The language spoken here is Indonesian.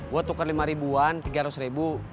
gue tukar lima ribuan tiga ratus ribu